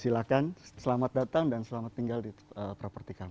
silahkan selamat datang dan selamat tinggal di properti kami